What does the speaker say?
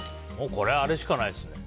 これはあれしかないです。